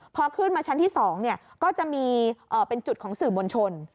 พอขึ้นมาชั้นที่๒ก็จะมีเป็นจุดของสื่อมวลชน